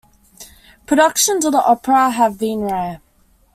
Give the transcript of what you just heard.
Productions of the opera have been rare.